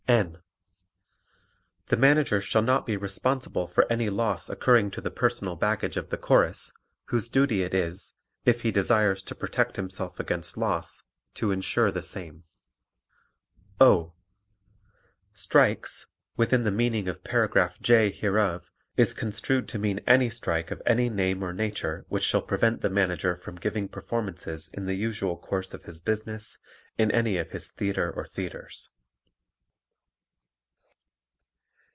N. The Manager shall not be responsible for any loss occurring to the personal baggage of the Chorus, whose duty it is, if he desires to protect himself against loss, to insure the same. O. Strikes, within the meaning of Paragraph J hereof, is construed to mean any strike of any name or nature which shall prevent the Manager from giving performances in the usual course of his business in any of his theatre or theatres.